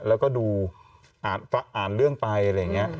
แล้วก็ดูอ่านเรื่องไปอะไรอย่างนี้